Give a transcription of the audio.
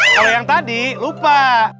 kalau yang tadi lupa